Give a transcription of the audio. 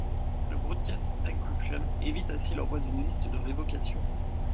Le broadcast encryption évite ainsi l’envoi d’une liste de révocation.